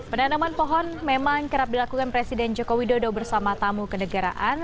penanaman pohon memang kerap dilakukan presiden joko widodo bersama tamu kenegaraan